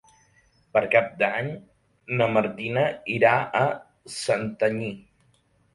Per Cap d'Any na Martina irà a Santanyí.